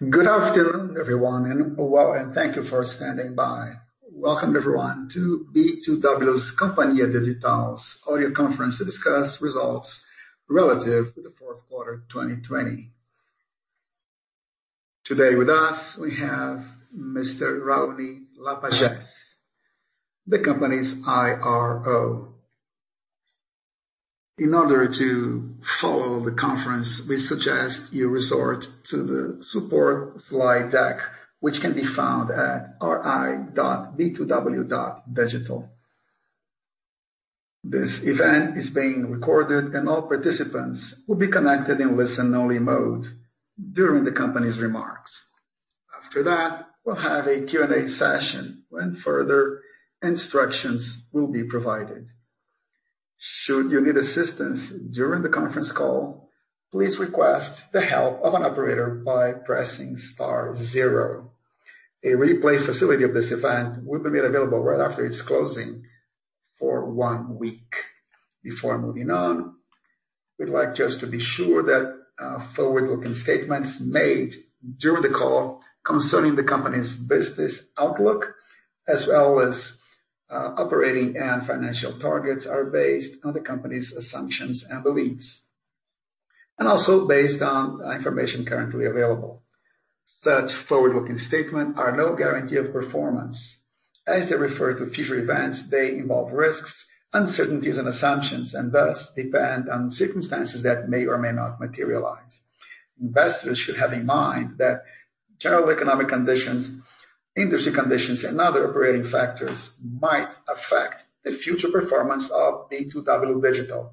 Good afternoon, everyone, and thank you for standing by. Welcome everyone to B2W Companhia Digital's audio conference to discuss results relative to the fourth quarter of 2020. Today with us, we have Mr. Raoni Lapagesse, the company's IRO. In order to follow the conference, we suggest you resort to the support slide deck, which can be found at ri.b2w.digital. This event is being recorded, and all participants will be connected in listen-only mode during the company's remarks. After that, we'll have a Q&A session when further instructions will be provided. Should you need assistance during the conference call, please request the help of an operator by pressing star zero. A replay facility of this event will be made available right after its closing for one week. Before moving on, we'd like just to be sure that forward-looking statements made during the call concerning the company's business outlook, as well as operating and financial targets, are based on the company's assumptions and beliefs, and also based on information currently available. Such forward-looking statement are no guarantee of performance. As they refer to future events, they involve risks, uncertainties, and assumptions, and thus depend on circumstances that may or may not materialize. Investors should have in mind that general economic conditions, industry conditions, and other operating factors might affect the future performance of B2W Digital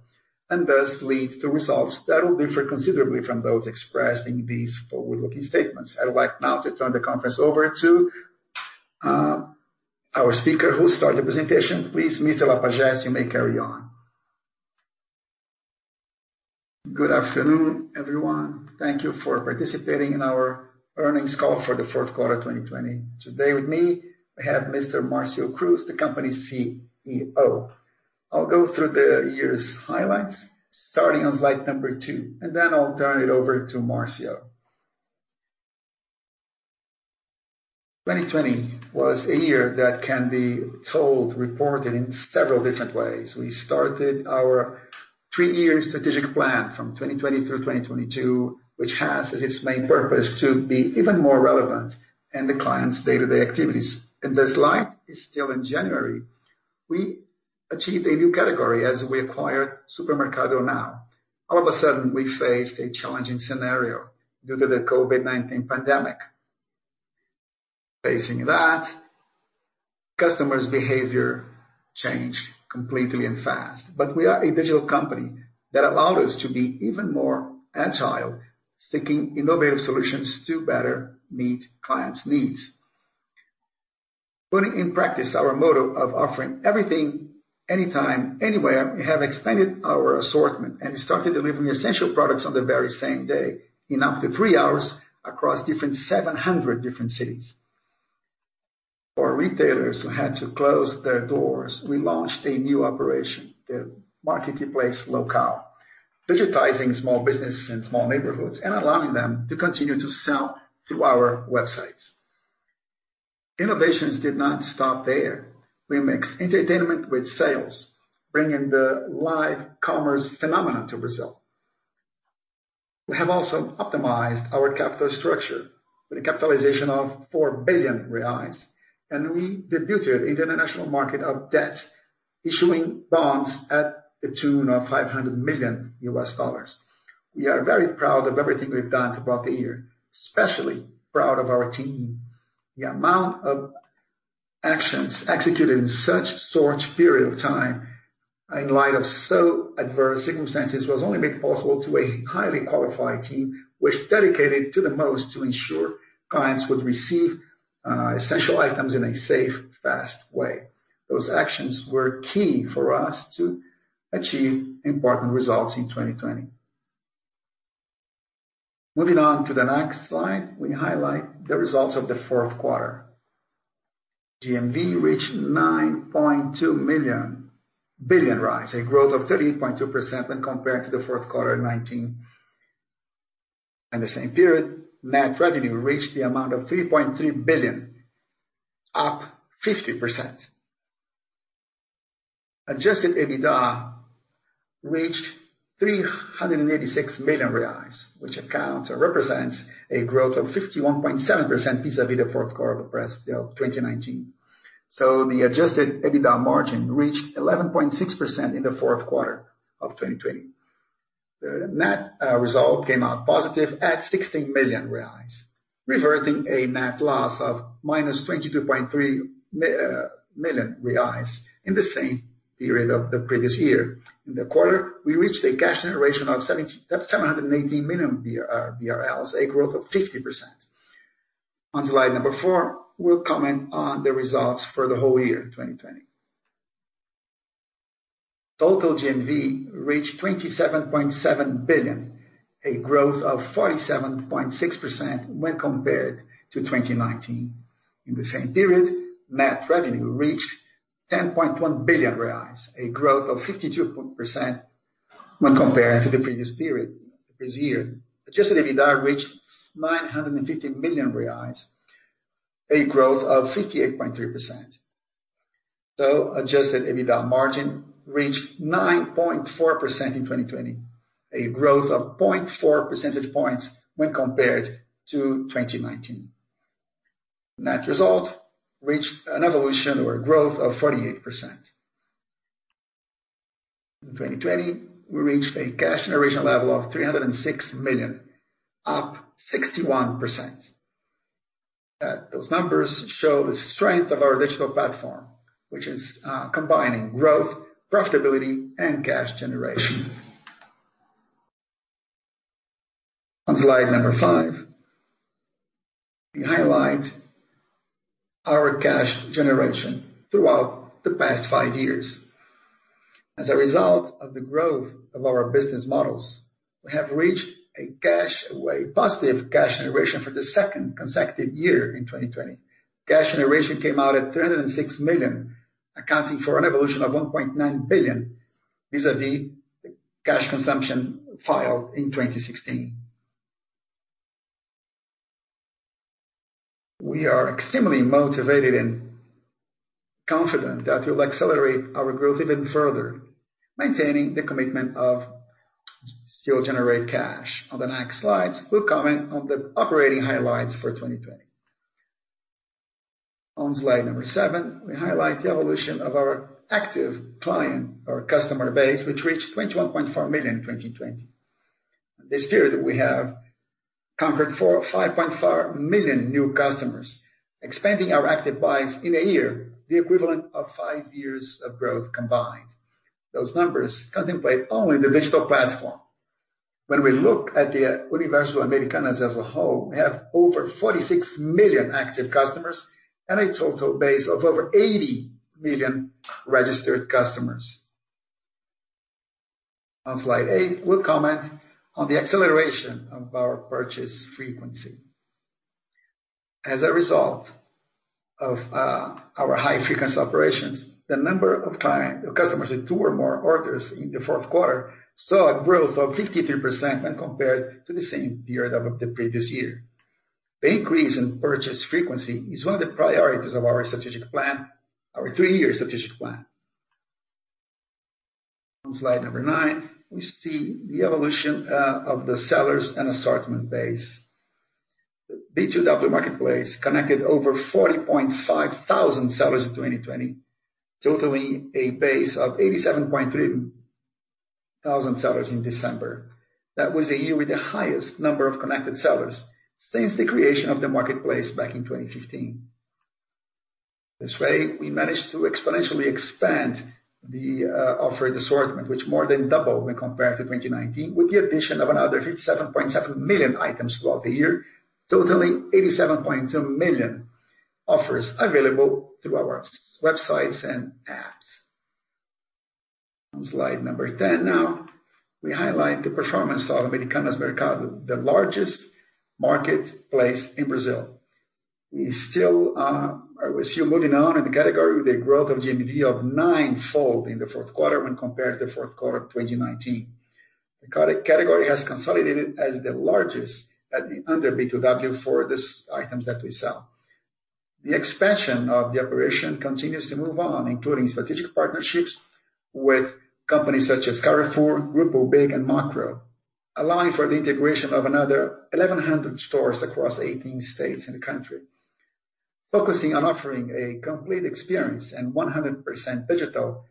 and thus lead to results that will differ considerably from those expressed in these forward-looking statements. I would like now to turn the conference over to our speaker who'll start the presentation. Please, Mr. Lapagesse, you may carry on. Good afternoon, everyone. Thank you for participating in our earnings call for the fourth quarter of 2020. Today with me, I have Mr. Márcio, the company's CEO. I'll go through the year's highlights starting on slide number two, and then I'll turn it over to Márcio. 2020 was a year that can be told, reported in several different ways. We started our three-year strategic plan from 2020 through 2022, which has as its main purpose to be even more relevant in the clients' day-to-day activities. The slide is still in January. We achieved a new category as we acquired Supermercado Now. All of a sudden, we faced a challenging scenario due to the COVID-19 pandemic. Facing that, customers' behavior changed completely and fast. We are a digital company. That allowed us to be even more agile, seeking innovative solutions to better meet clients' needs. Putting in practice our motto of offering everything, anytime, anywhere, we have expanded our assortment and started delivering essential products on the very same day in up to three hours across 700 different cities. For retailers who had to close their doors, we launched a new operation, the Marketplace Local, digitizing small businesses and small neighborhoods and allowing them to continue to sell through our websites. Innovations did not stop there. We mixed entertainment with sales, bringing the live commerce phenomenon to Brazil. We have also optimized our capital structure with a capitalization of 4 billion reais. We debuted in the international market of debt, issuing bonds at the tune of $500 million. We are very proud of everything we've done throughout the year, especially proud of our team. The amount of actions executed in such short period of time in light of so adverse circumstances was only made possible to a highly qualified team, which dedicated to the most to ensure clients would receive essential items in a safe, fast way. Those actions were key for us to achieve important results in 2020. Moving on to the next slide, we highlight the results of the fourth quarter. GMV reached 9.2 million. Billion [BRL], a growth of 30.2% when compared to the fourth quarter 2019. In the same period, net revenue reached the amount of 3.3 billion, up 50%. Adjusted EBITDA reached 386 million reais, which accounts or represents a growth of 51.7% vis-à-vis the fourth quarter of the previous year 2019. The adjusted EBITDA margin reached 11.6% in the fourth quarter of 2020. The net result came out positive at 16 million reais, reverting a net loss of -22.3 million reais in the same period of the previous year. In the quarter, we reached a cash generation of 718 million, a growth of 50%. On slide number four, we'll comment on the results for the whole year 2020. Total GMV reached 27.7 billion, a growth of 47.6% when compared to 2019. In the same period, net revenue reached 10.1 billion reais, a growth of 52% when compared to the previous year. Adjusted EBITDA reached 950 million reais, a growth of 58.3%. Adjusted EBITDA margin reached 9.4% in 2020, a growth of 0.4 percentage points when compared to 2019. Net result reached an evolution or growth of 48%. In 2020, we reached a cash generation level of 306 million, up 61%. Those numbers show the strength of our digital platform, which is combining growth, profitability, and cash generation. On slide number five, we highlight our cash generation throughout the past five years. As a result of the growth of our business models, we have reached a positive cash generation for the second consecutive year in 2020. Cash generation came out at 306 million, accounting for an evolution of 1.9 billion, vis-à-vis the cash consumption filed in 2016. We are extremely motivated and confident that we'll accelerate our growth even further, maintaining the commitment of still generate cash. On the next slides, we'll comment on the operating highlights for 2020. On slide number seven, we highlight the evolution of our active client or customer base, which reached 21.4 million in 2020. This period, we have conquered 5.4 million new customers, expanding our active base in a year, the equivalent of five years of growth combined. Those numbers contemplate only the digital platform. When we look at the Universo Americanas as a whole, we have over 46 million active customers and a total base of over 80 million registered customers. On slide eight, we'll comment on the acceleration of our purchase frequency. As a result of our high-frequency operations, the number of customers with two or more orders in the fourth quarter saw a growth of 53% when compared to the same period of the previous year. The increase in purchase frequency is one of the priorities of our three-year strategic plan. On slide number nine, we see the evolution of the sellers and assortment base. The B2W marketplace connected over 40,500 sellers in 2020, totaling a base of 87.3 thousand sellers in December. That was a year with the highest number of connected sellers since the creation of the marketplace back in 2015. This way, we managed to exponentially expand the offered assortment, which more than doubled when compared to 2019 with the addition of another 57.7 million items throughout the year, totaling 87.2 million offers available through our websites and apps. On slide number 10 now, we highlight the performance of Americanas Mercado, the largest marketplace in Brazil. We're still moving on in the category with a growth of GMV of nine-fold in the fourth quarter when compared to the fourth quarter of 2019. The category has consolidated as the largest under B2W for these items that we sell. The expansion of the operation continues to move on, including strategic partnerships with companies such as Carrefour, Grupo BIG, and Makro, allowing for the integration of another 1,100 stores across 18 states in the country. Focusing on offering a complete experience and 100% digital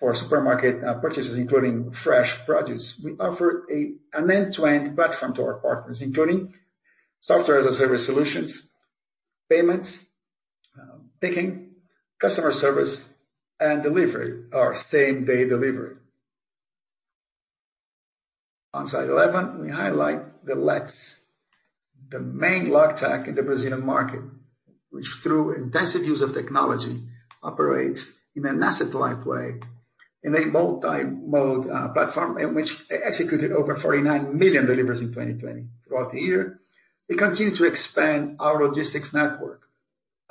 for supermarket purchases, including fresh produce, we offer an end-to-end platform to our partners, including software-as-a-service solutions, payments, picking, customer service, and delivery, our same-day delivery. On slide 11, we highlight the main logtech in the Brazilian market, which through intensive use of technology, operates in an asset-light way in a multi-mode platform, and which executed over 49 million deliveries in 2020. Throughout the year, we continued to expand our logistics network,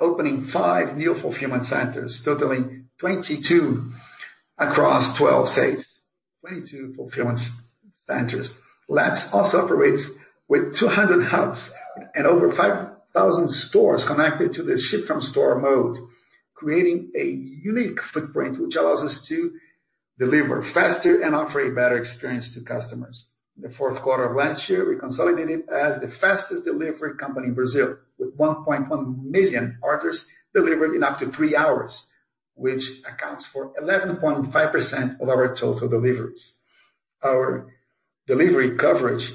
opening five new fulfillment centers, totaling 22 across 12 states. 22 fulfillment centers. Also operate with 200 hubs and over 5,000 stores connected to the ship-from-store mode, creating a unique footprint, which allows us to deliver faster and offer a better experience to customers. In the fourth quarter of last year, we consolidated as the fastest delivery company in Brazil with 1.1 million orders delivered in up to three hours, which accounts for 11.5% of our total deliveries. Our delivery coverage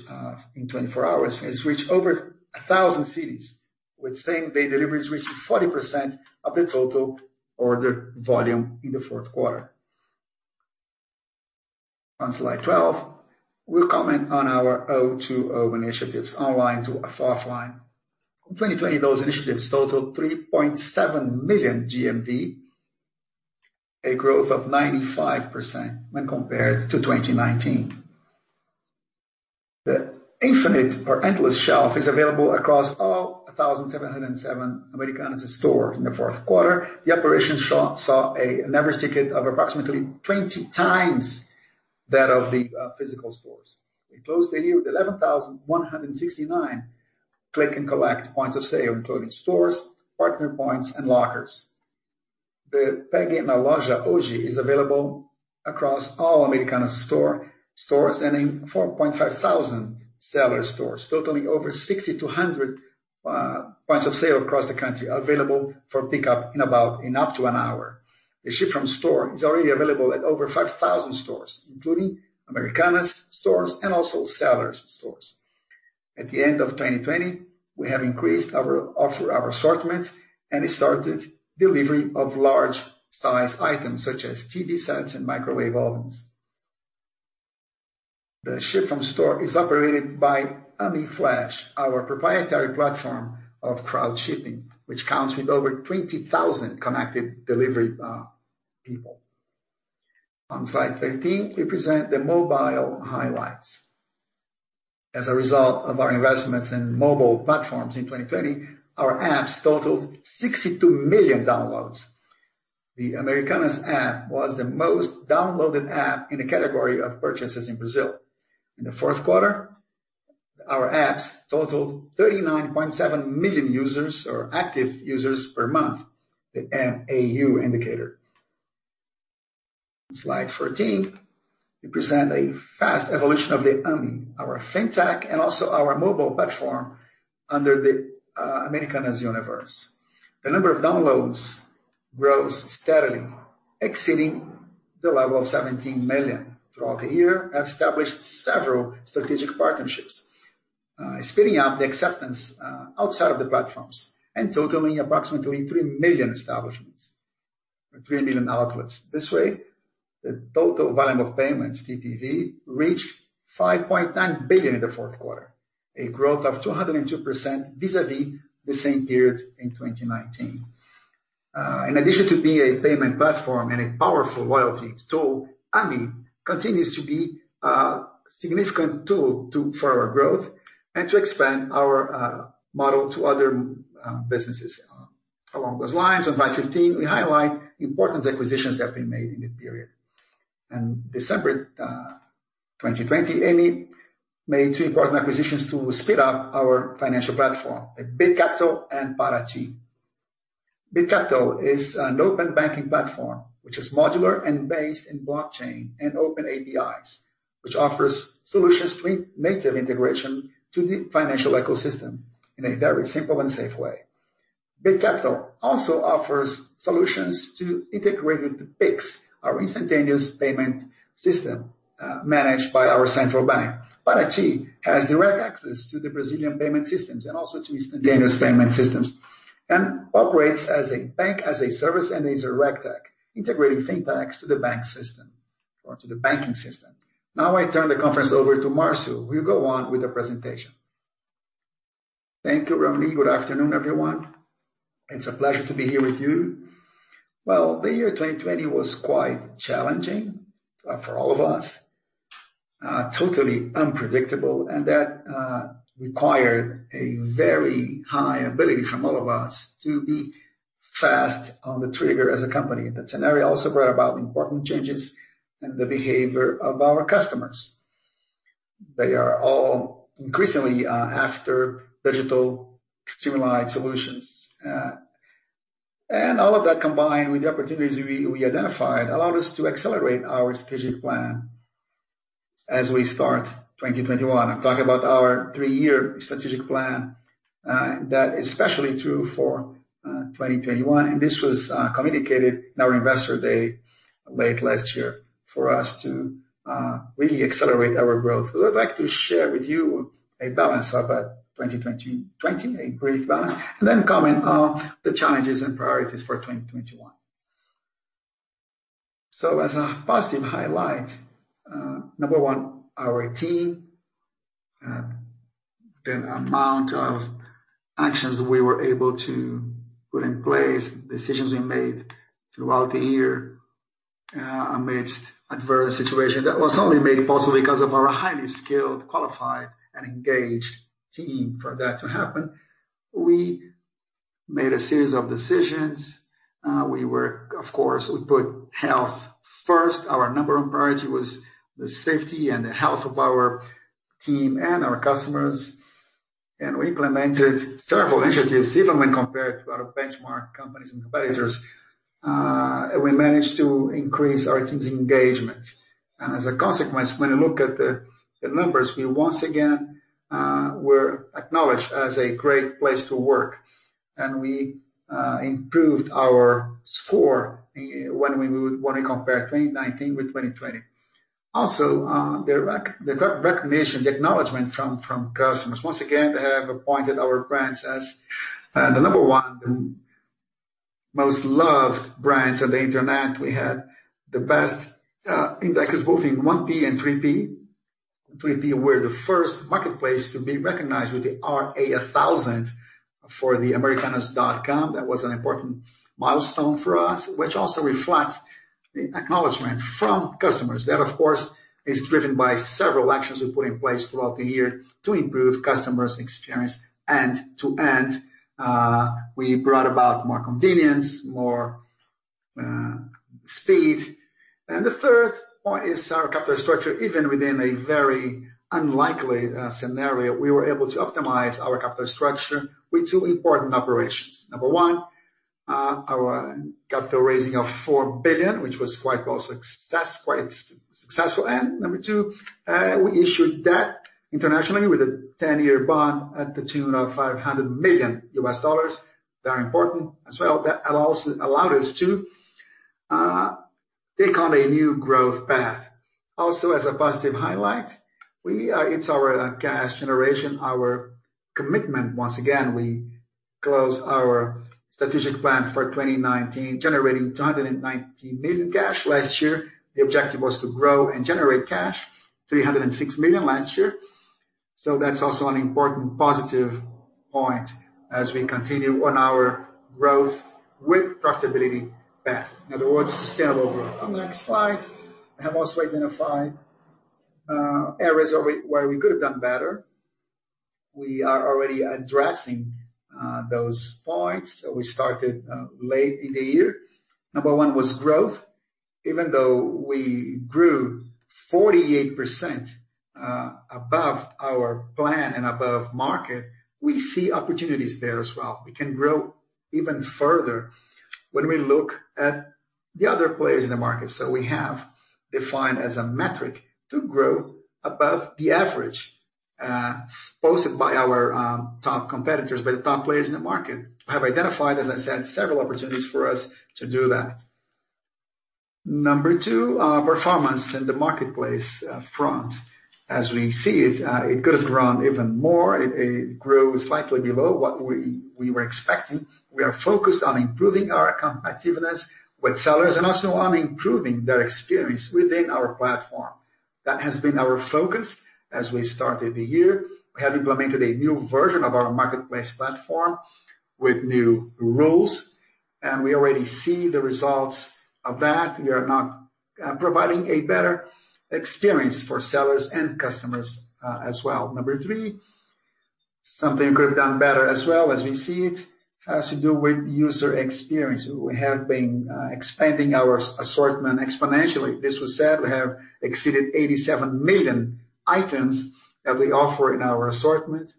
in 24 hours has reached over 1,000 cities, with same-day deliveries reaching 40% of the total order volume in the fourth quarter. On slide 12, we'll comment on our O2O initiatives, online to offline. In 2020, those initiatives totaled 3.7 million GMV, a growth of 95% when compared to 2019. The infinite or endless shelf is available across all 1,707 Americanas stores in the fourth quarter. The operation saw an average ticket of approximately 20x that of the physical stores. We closed the year with 11,169 click and collect points of sale, including stores, partner points, and lockers. The Pegue na Loja Hoje is available across all Americanas stores and in 4,500 seller stores, totaling over 6,200 points of sale across the country available for pickup in up to an hour. The ship-from-store is already available at over 5,000 stores, including Americanas stores and also sellers' stores. At the end of 2020, we have increased our offer, our assortment, and started delivery of large-sized items such as TV sets and microwave ovens. The ship-from-store is operated by Ame Flash, our proprietary platform of crowd shipping, which counts with over 20,000 connected delivery people. On slide 13, we present the mobile highlights. As a result of our investments in mobile platforms in 2020, our apps totaled 62 million downloads. The Americanas app was the most downloaded app in the category of purchases in Brazil. In the fourth quarter, our apps totaled 39.7 million users or active users per month, the MAU indicator. Slide 14, we present a fast evolution of the Ame, our fintech and also our mobile platform under the Americanas Universo. The number of downloads grows steadily, exceeding the level of 17 million. We established several strategic partnerships, speeding up the acceptance outside of the platforms and totaling approximately 3 million outlets. This way, the total volume of payments, TPV, reached 5.9 billion in the fourth quarter, a growth of 202% vis-à-vis the same period in 2019. In addition to being a payment platform and a powerful loyalty tool, Ame continues to be a significant tool for our growth and to expand our model to other businesses. Along those lines, on slide 15, we highlight important acquisitions that have been made in the period. In December 2020, Ame made two important acquisitions to speed up our financial platform, the Bit Capital and Parati. Bit Capital is an open banking platform, which is modular and based in blockchain and open APIs, which offers solutions to native integration to the financial ecosystem in a very simple and safe way. Bit Capital also offers solutions to integrate with the Pix, our instantaneous payment system, managed by our central bank. Parati has direct access to the Brazilian payment systems and also to instantaneous payment systems, and operates as a bank, as a service, and as a RegTech, integrating fintechs to the bank system or to the banking system. Now I turn the conference over to Marcio, who will go on with the presentation. Thank you, Raoni. Good afternoon, everyone. It's a pleasure to be here with you. Well, the year 2020 was quite challenging for all of us. Totally unpredictable, and that required a very high ability from all of us to be fast on the trigger as a company. That scenario also brought about important changes in the behavior of our customers. They are all increasingly after digital streamlined solutions. All of that combined with the opportunities we identified allowed us to accelerate our strategic plan as we start 2021. I'm talking about our three-year strategic plan that is especially true for 2021, and this was communicated in our investor day late last year for us to really accelerate our growth. We would like to share with you a balance of 2020, a brief balance, and then comment on the challenges and priorities for 2021. As a positive highlight, number one, our team. The amount of actions we were able to put in place, decisions we made throughout the year amidst adverse situation that was only made possible because of our highly skilled, qualified, and engaged team for that to happen. We made a series of decisions. Of course, we put health first. Our number one priority was the safety and the health of our team and our customers. We implemented several initiatives even when compared to our benchmark companies and competitors. As a consequence, when you look at the numbers, we once again were acknowledged as a Great Place to Work, and we improved our score when we compare 2019 with 2020. Also, the recognition, the acknowledgment from customers. Once again, they have appointed our brands as the number one most loved brands on the internet. We had the best indexes both in 1P and 3P. 3P were the first marketplace to be recognized with the RA 1000. For americanas.com, that was an important milestone for us, which also reflects the acknowledgment from customers. That, of course, is driven by several actions we put in place throughout the year to improve customers' experience end to end. We brought about more convenience, more speed. The third point is our capital structure. Even within a very unlikely scenario, we were able to optimize our capital structure with two important operations. Number one, our capital raising of 4 billion, which was quite successful. Number two, we issued debt internationally with a 10-year bond at the tune of $500 million. Very important as well. That allowed us to take on a new growth path. As a positive highlight, it's our cash generation, our commitment. Once again, we close our strategic plan for 2019, generating 290 million cash last year. The objective was to grow and generate cash, 306 million last year. That's also an important positive point as we continue on our growth with profitability path. In other words, sustainable growth. On the next slide, I have also identified areas where we could have done better. We are already addressing those points. We started late in the year. Number one was growth. Even though we grew 48% above our plan and above market, we see opportunities there as well. We can grow even further when we look at the other players in the market. We have defined as a metric to grow above the average posted by our top competitors, by the top players in the market. We have identified, as I said, several opportunities for us to do that. Number two, our performance in the Marketplace front. As we see it could have grown even more. It grew slightly below what we were expecting. We are focused on improving our competitiveness with sellers and also on improving their experience within our platform. That has been our focus as we started the year. We have implemented a new version of our Marketplace platform with new rules. We already see the results of that. We are now providing a better experience for sellers and customers as well. Number three, something we could have done better as well, as we see it, has to do with user experience. We have been expanding our assortment exponentially. This was said, we have exceeded 87 million items that we offer in our assortment.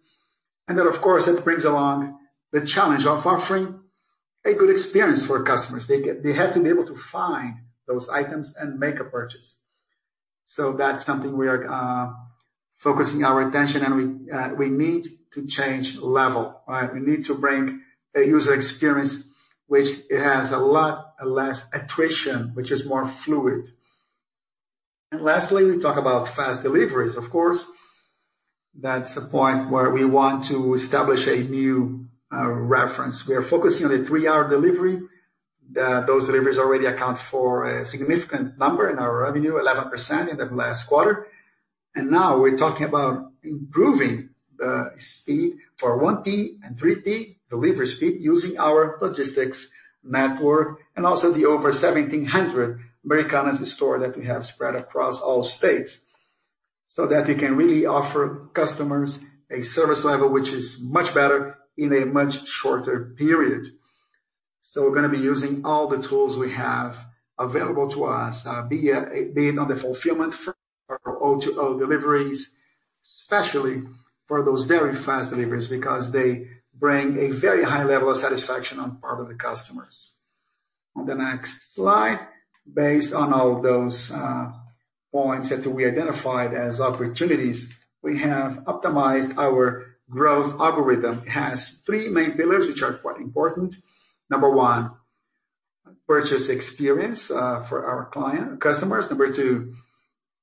Of course, that brings along the challenge of offering a good experience for customers. They have to be able to find those items and make a purchase. That's something we are focusing our attention on, and we need to change level, right. We need to bring a user experience which has a lot less attrition, which is more fluid. Lastly, we talk about fast deliveries. Of course, that's a point where we want to establish a new reference. We are focusing on a three-hour delivery. Those deliveries already account for a significant number in our revenue, 11% in the last quarter. Now we're talking about improving the speed for 1P and 3P delivery speed using our logistics network and also the over 1,700 Americanas store that we have spread across all states, so that we can really offer customers a service level which is much better in a much shorter period. We're going to be using all the tools we have available to us, be it on the fulfillment front or O2O deliveries, especially for those very fast deliveries, because they bring a very high level of satisfaction on part of the customers. On the next slide, based on all those points that we identified as opportunities, we have optimized our growth algorithm. It has three main pillars, which are quite important. Number one, purchase experience for our customers. Number two,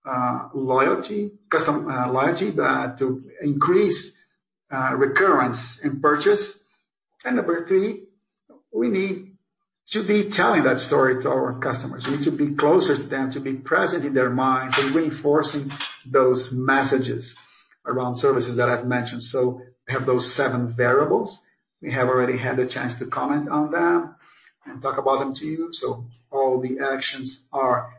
customer loyalty, to increase recurrence in purchase. Number three, we need to be telling that story to our customers. We need to be closer to them, to be present in their minds and reinforcing those messages around services that I've mentioned. We have those seven variables. We have already had a chance to comment on them and talk about them to you. All the actions are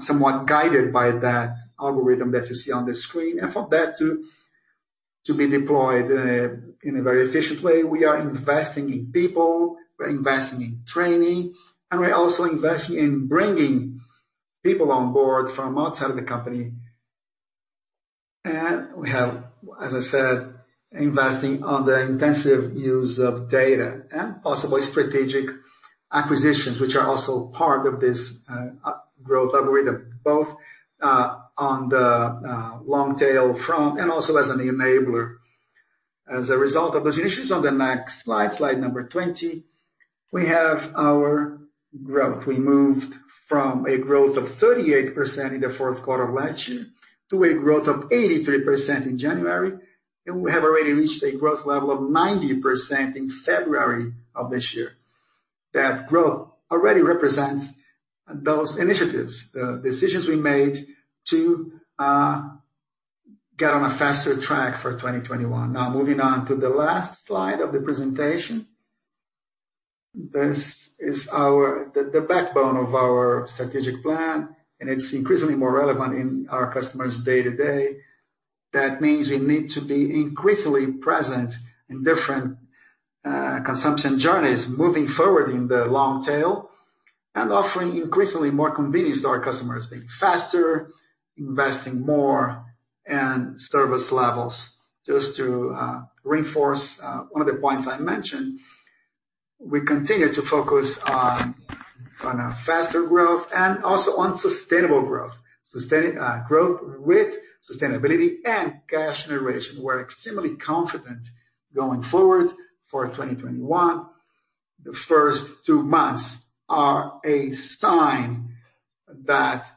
somewhat guided by that algorithm that you see on the screen. For that to be deployed in a very efficient way, we are investing in people, we're investing in training, and we're also investing in bringing people on board from outside the company. We have, as I said, investing on the intensive use of data and possibly strategic acquisitions, which are also part of this growth algorithm, both on the long tail front and also as an enabler. As a result of those initiatives on the next slide number 20, we have our growth. We moved from a growth of 38% in the fourth quarter of last year to a growth of 83% in January. We have already reached a growth level of 90% in February of this year. That growth already represents those initiatives, the decisions we made to get on a faster track for 2021. Moving on to the last slide of the presentation. This is the backbone of our strategic plan. It's increasingly more relevant in our customers' day-to-day. That means we need to be increasingly present in different consumption journeys, moving forward in the long tail, offering increasingly more convenience to our customers, being faster, investing more in service levels. Just to reinforce one of the points I mentioned, we continue to focus on faster growth, also on sustainable growth. Growth with sustainability and cash generation. We're extremely confident going forward for 2021. The first two months are a sign that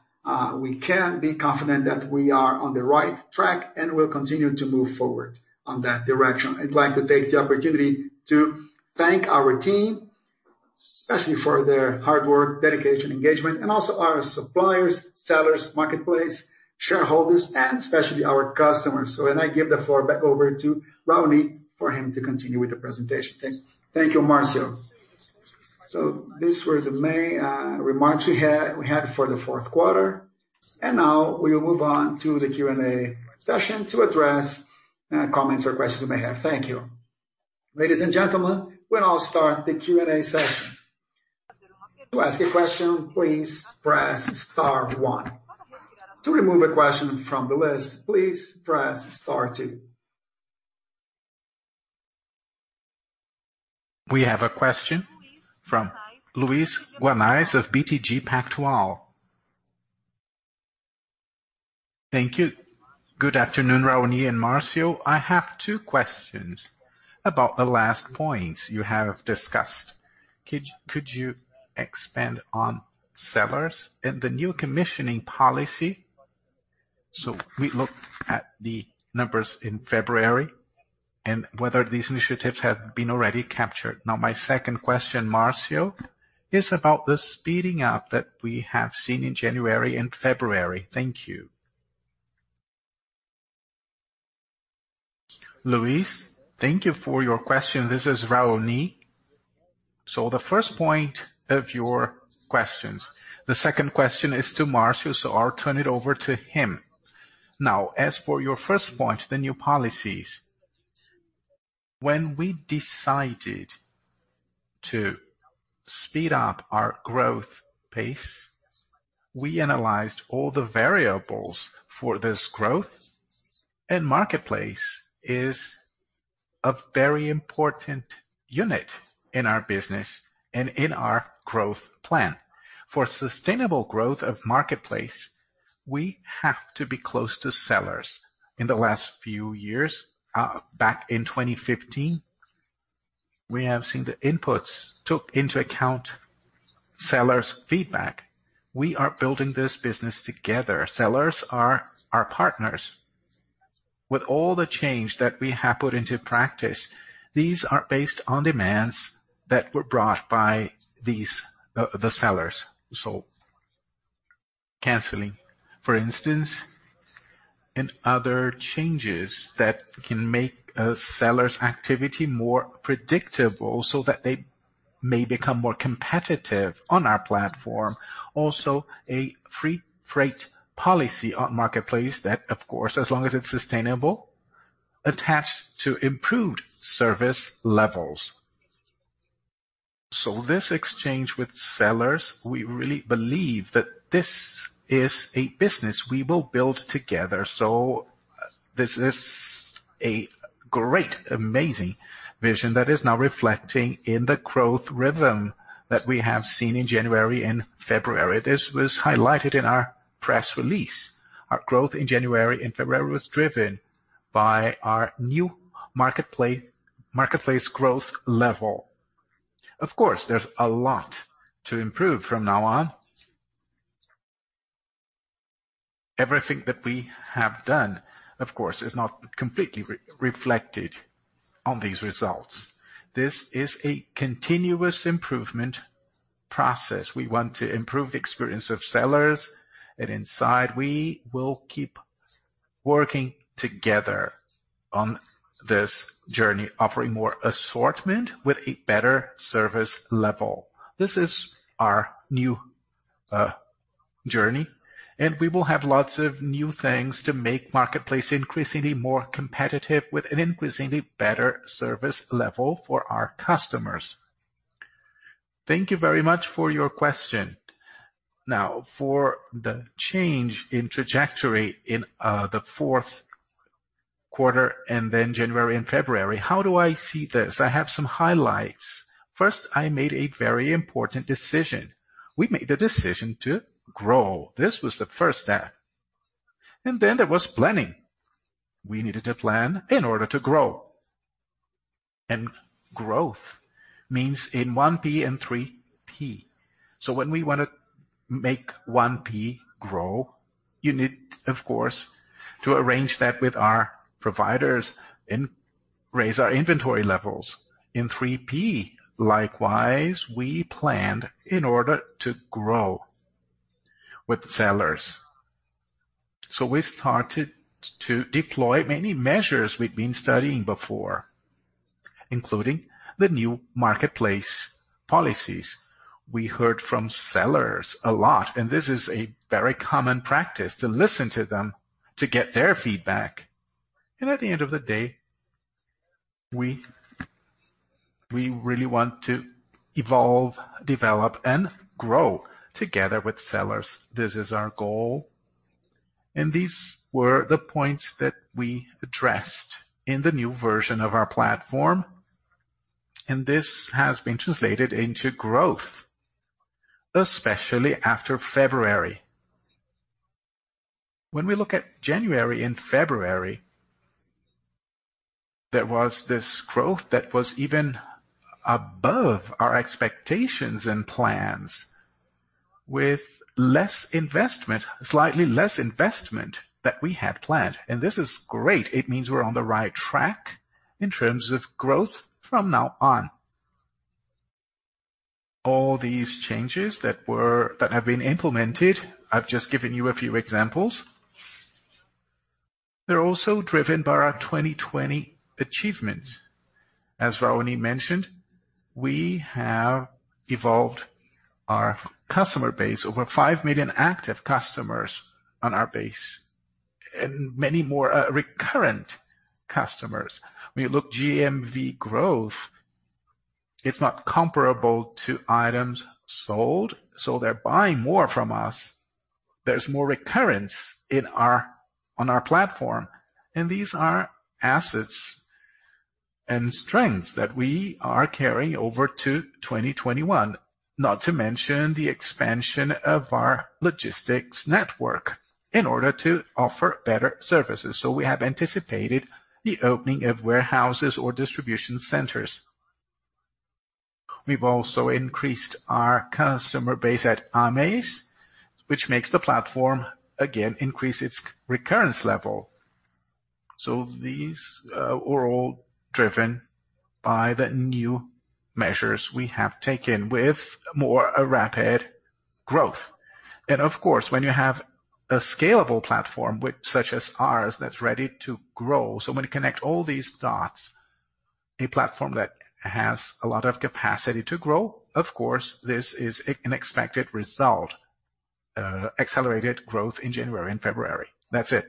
we can be confident that we are on the right track, we'll continue to move forward on that direction. I'd like to take the opportunity to thank our team, especially for their hard work, dedication, engagement, and also our suppliers, sellers, Marketplace, shareholders, and especially our customers. With that, I give the floor back over to Raoni for him to continue with the presentation. Thanks. Thank you, Márcio. These were the main remarks we had for the fourth quarter, and now we will move on to the Q&A session to address comments or questions you may have. Thank you. Ladies and gentlemen, we will now start the Q&A session. To ask your question, please press star one. To remove the question from the list, please press star two. We have a question from Luiz Guanais of BTG Pactual. Thank you. Good afternoon, Raoni and Márcio. I have two questions about the last points you have discussed. Could you expand on sellers and the new commissioning policy, so we look at the numbers in February and whether these initiatives have been already captured? My second question, Márcio, is about the speeding up that we have seen in January and February. Thank you. Luiz, thank you for your question. This is Raoni. The first point of your questions. The second question is to Márcio, I'll turn it over to him. As for your first point, the new policies. When we decided to speed up our growth pace, we analyzed all the variables for this growth, Marketplace is a very important unit in our business and in our growth plan. For sustainable growth of Marketplace, we have to be close to sellers. In the last few years, back in 2015, we have seen the inputs took into account sellers' feedback. We are building this business together. Sellers are our partners. With all the change that we have put into practice, these are based on demands that were brought by the sellers. Canceling, for instance, other changes that can make a seller's activity more predictable that they may become more competitive on our platform. A free freight policy on Marketplace that, of course, as long as it's sustainable, attached to improved service levels. This exchange with sellers, we really believe that this is a business we will build together. This is a great, amazing vision that is now reflecting in the growth rhythm that we have seen in January and February. This was highlighted in our press release. Our growth in January and February was driven by our new Marketplace growth level. There's a lot to improve from now on. Everything that we have done, of course, is not completely reflected on these results. This is a continuous improvement process. We want to improve the experience of sellers at Inside. We will keep working together on this journey, offering more assortment with a better service level. This is our new journey, and we will have lots of new things to make Marketplace increasingly more competitive with an increasingly better service level for our customers. Thank you very much for your question. For the change in trajectory in the fourth quarter and then January and February, how do I see this? I have some highlights. First, I made a very important decision. We made the decision to grow. This was the first step. There was planning. We needed to plan in order to grow. Growth means in 1P and 3P. So when we want to make 1P grow, you need, of course, to arrange that with our providers and raise our inventory levels. In 3P, likewise, we planned in order to grow with sellers. We started to deploy many measures we'd been studying before, including the new marketplace policies. We heard from sellers a lot. This is a very common practice, to listen to them, to get their feedback. At the end of the day, we really want to evolve, develop, and grow together with sellers. This is our goal. These were the points that we addressed in the new version of our platform. This has been translated into growth, especially after February. When we look at January and February, there was this growth that was even above our expectations and plans with slightly less investment that we had planned. This is great. It means we're on the right track in terms of growth from now on. All these changes that have been implemented, I've just given you a few examples. They're also driven by our 2020 achievements. As Raoni mentioned, we have evolved our customer base. Over 5 million active customers on our base, and many more recurrent customers. When you look GMV growth, it's not comparable to items sold, so they're buying more from us. There's more recurrence on our platform. These are assets and strengths that we are carrying over to 2021. Not to mention the expansion of our logistics network in order to offer better services. We have anticipated the opening of warehouses or distribution centers. We've also increased our customer base at Ame, which makes the platform, again, increase its recurrence level. These were all driven by the new measures we have taken with more rapid growth. Of course, when you have a scalable platform such as ours that's ready to grow, so when you connect all these dots, a platform that has a lot of capacity to grow, of course, this is an expected result. Accelerated growth in January and February. That's it.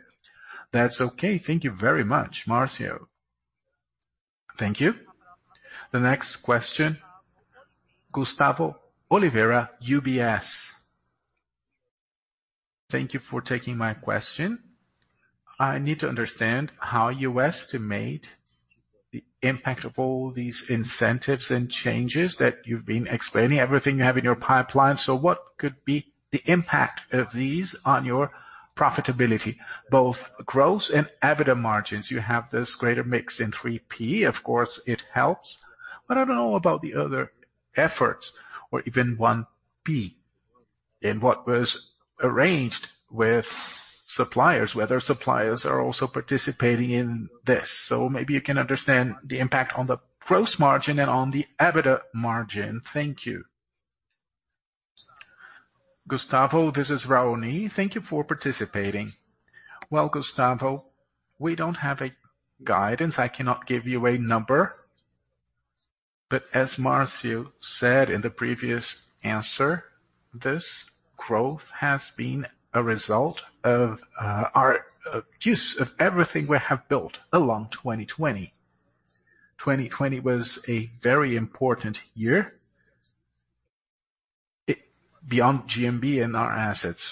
That's okay. Thank you very much, Márcio. Thank you. The next question, Gustavo Oliveira, UBS. Thank you for taking my question. I need to understand how you estimate the impact of all these incentives and changes that you've been explaining, everything you have in your pipeline. What could be the impact of these on your profitability, both gross and EBITDA margins? You have this greater mix in 3P, of course, it helps. I don't know about the other efforts or even 1P, and what was arranged with suppliers, whether suppliers are also participating in this. Maybe you can understand the impact on the gross margin and on the EBITDA margin? Thank you. Gustavo, this is Raoni. Thank you for participating. Well, Gustavo, we don't have a guidance. I cannot give you a number. As Márcio said in the previous answer, this growth has been a result of our use of everything we have built along 2020. 2020 was a very important year beyond GMV and our assets.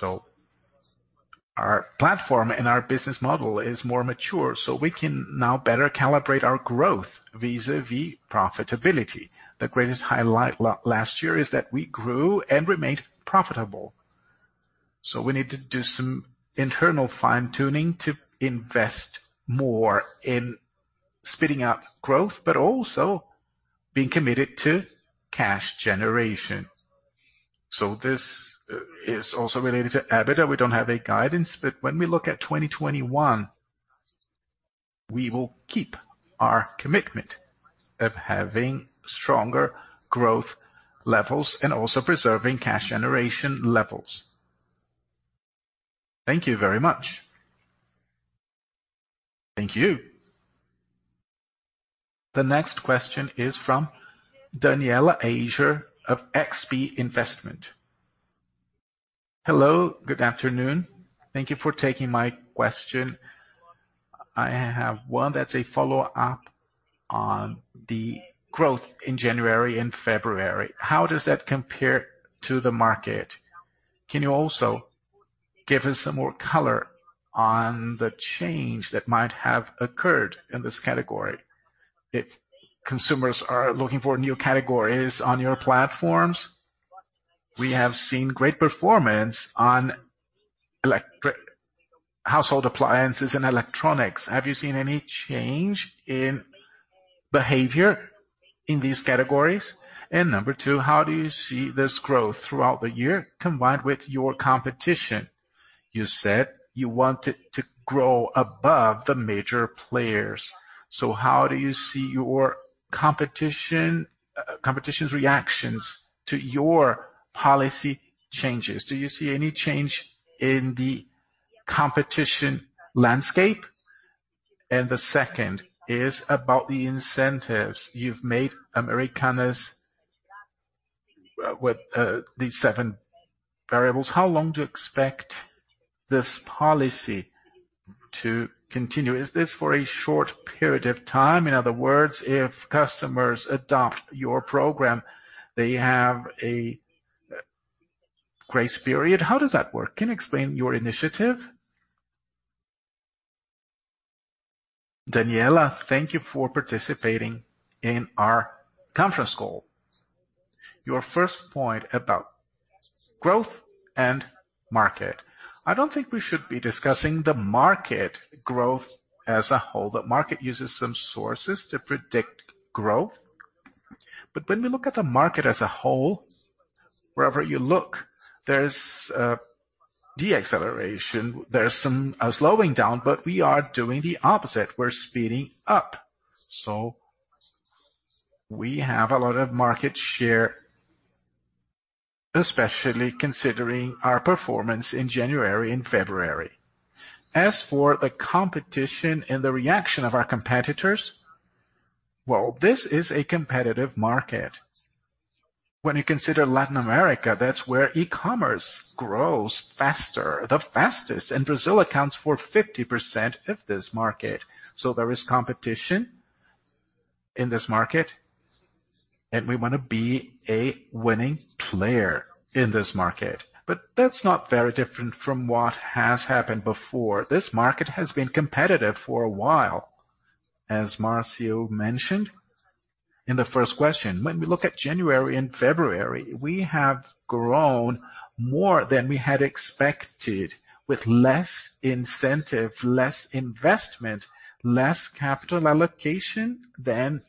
Our platform and our business model is more mature, so we can now better calibrate our growth vis-à-vis profitability. The greatest highlight last year is that we grew and remained profitable. We need to do some internal fine-tuning to invest more in speeding up growth, but also being committed to cash generation. This is also related to EBITDA. We don't have a guidance, but when we look at 2021, we will keep our commitment of having stronger growth levels and also preserving cash generation levels. Thank you very much. Thank you. The next question is from Daniela Eiger of XP Investimentos. Hello, good afternoon. Thank you for taking my question. I have one that's a follow-up on the growth in January and February. How does that compare to the market? Can you also give us some more color on the change that might have occurred in this category? If consumers are looking for new categories on your platforms. We have seen great performance on household appliances and electronics. Have you seen any change in behavior in these categories? Number two, how do you see this growth throughout the year combined with your competition? You said you wanted to grow above the major players. How do you see your competition's reactions to your policy changes? Do you see any change in the competition landscape? The second is about the incentives you've made Americanas with these seven variables. How long do you expect this policy to continue? Is this for a short period of time? In other words, if customers adopt your program, they have a grace period. How does that work? Can you explain your initiative? Daniela, thank you for participating in our conference call. Your first point about growth and market. I don't think we should be discussing the market growth as a whole. The market uses some sources to predict growth. When we look at the market as a whole, wherever you look, there's a de-acceleration. There's some slowing down, but we are doing the opposite. We're speeding up. We have a lot of market share, especially considering our performance in January and February. As for the competition and the reaction of our competitors, well, this is a competitive market. When you consider Latin America, that's where e-commerce grows faster, the fastest, and Brazil accounts for 50% of this market. There is competition in this market, and we want to be a winning player in this market. That's not very different from what has happened before. This market has been competitive for a while, as Márcio mentioned in the first question. When we look at January and February, we have grown more than we had expected with less incentive, less investment, less capital allocation than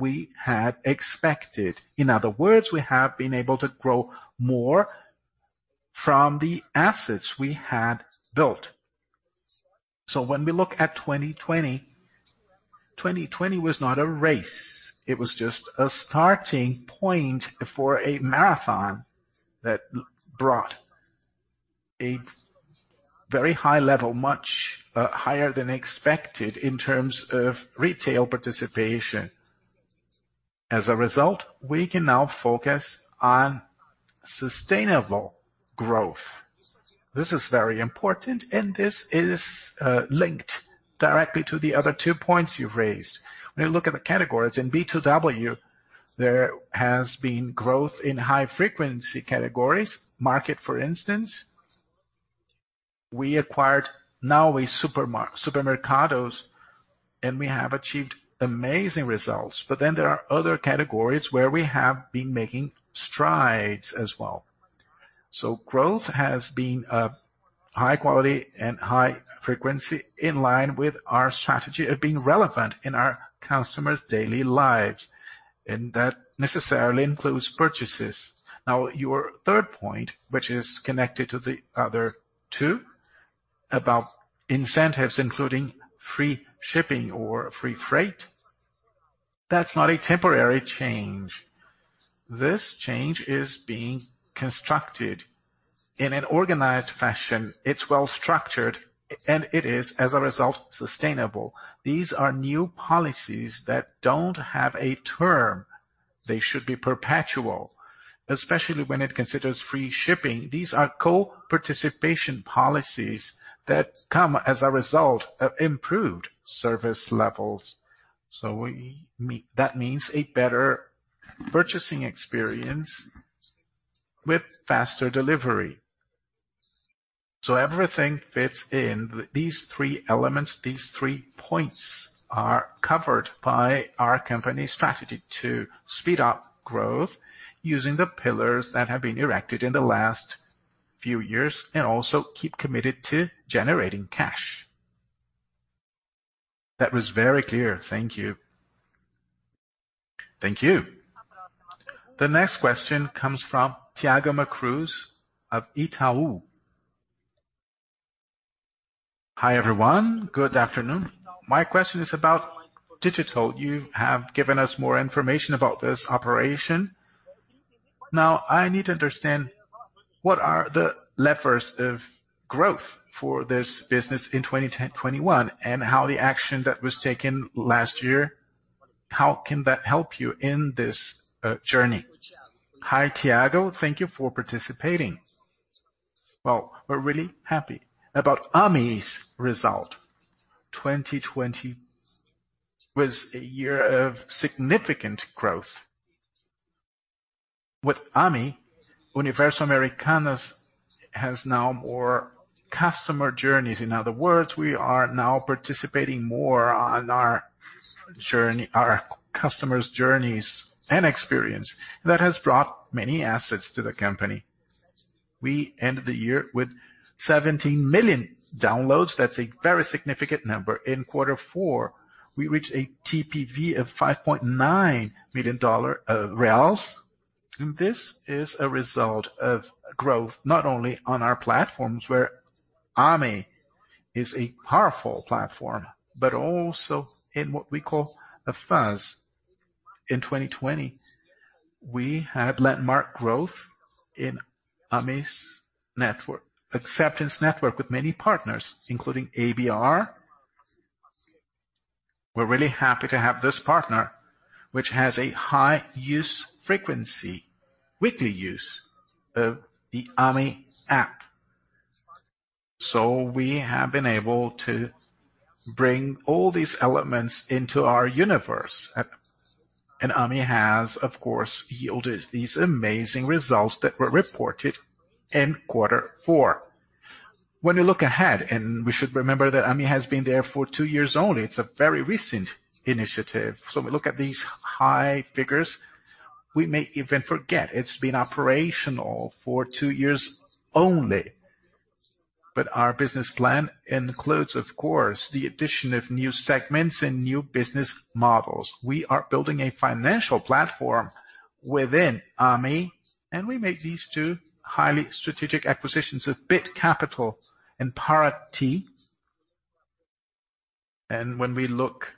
we had expected. In other words, we have been able to grow more from the assets we had built. When we look at 2020 was not a race. It was just a starting point for a marathon that brought a very high level, much higher than expected in terms of retail participation. As a result, we can now focus on sustainable growth. This is very important, and this is linked directly to the other two points you've raised. When you look at the categories in B2W, there has been growth in high frequency categories, market, for instance. We acquired Now Supermercados, and we have achieved amazing results. There are other categories where we have been making strides as well. Growth has been high quality and high frequency in line with our strategy of being relevant in our customers' daily lives, and that necessarily includes purchases. Your third point, which is connected to the other two about incentives, including free shipping or free freight. That's not a temporary change. This change is being constructed in an organized fashion. It's well structured, and it is, as a result, sustainable. These are new policies that don't have a term. They should be perpetual, especially when it considers free shipping. These are co-participation policies that come as a result of improved service levels. That means a better purchasing experience with faster delivery. Everything fits in these three elements. These three points are covered by our company strategy to speed up growth using the pillars that have been erected in the last few years and also keep committed to generating cash. That was very clear. Thank you. Thank you. The next question comes from Thiago Macruz of Itaú. Hi, everyone. Good afternoon. My question is about digital. You have given us more information about this operation. Now I need to understand what are the levers of growth for this business in 2021 and how the action that was taken last year, how can that help you in this journey? Hi, Thiago. Thank you for participating. Well, we're really happy about Ame's result. 2020 was a year of significant growth. With Ame, Universo Americanas has now more customer journeys. In other words, we are now participating more on our customers' journeys and experience that has brought many assets to the company. We end the year with 17 million downloads. That's a very significant number. In quarter four, we reached a TPV of BRL 5.9 million. This is a result of growth, not only on our platforms, where Ame is a powerful platform, but also in what we call a FaaS. In 2020, we had landmark growth in Ame's acceptance network with many partners, including ABR. We're really happy to have this partner, which has a high use frequency, weekly use of the Ame app. We have been able to bring all these elements into our universe. Ame has, of course, yielded these amazing results that were reported in quarter four. When we look ahead, and we should remember that Ame has been there for two years only. It's a very recent initiative. When we look at these high figures, we may even forget it's been operational for two years only. Our business plan includes, of course, the addition of new segments and new business models. We are building a financial platform within Ame, and we made these two highly strategic acquisitions of Bit Capital and Parati. When we look